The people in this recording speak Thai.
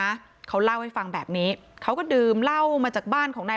นะเขาเล่าให้ฟังแบบนี้เขาก็ดื่มเหล้ามาจากบ้านของนาย